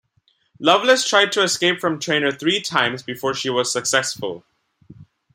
Lovelace tried to escape from Traynor three times before she was successful.